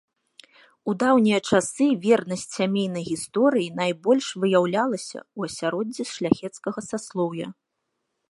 У даўнія часы вернасць сямейнай гісторыі найбольш выяўлялася ў асяроддзі шляхецкага саслоўя.